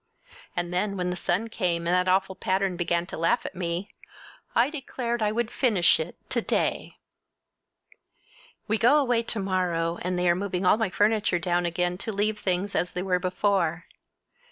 And then when the sun came and that awful pattern began to laugh at me I declared I would finish it to day! We go away to morrow, and they are moving all my furniture down again to leave things as they were before.